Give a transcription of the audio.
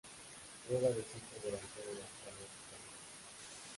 Juega de centrodelantero y actualmente está sin equipo.